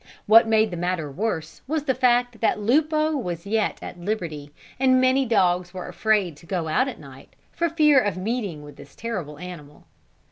What made the matter worse, was the fact that Lupo was yet at liberty, and many dogs were afraid to go out at night for fear of meeting with this terrible animal.